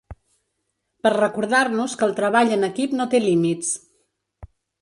Per recordar-nos que el treball en equip no té límits.